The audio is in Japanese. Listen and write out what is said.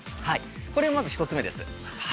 これがまず一つ目です。